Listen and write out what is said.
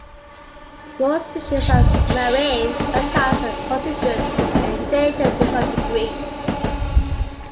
Most species of marine reptiles are considered endangered to some degree.